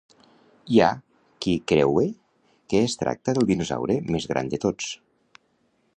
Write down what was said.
Hi ha qui creue que es tracta del dinosaure més gran de tots.